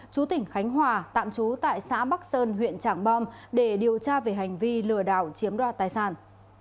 chú tỉnh khánh hòa tạm trú tại xã bắc sơn huyện trảng bom để điều tra về hành vi lừa đảo chiếm đoạt tài sản